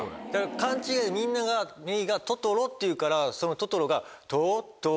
勘違いみんながメイがトトロって言うからそのトトロが。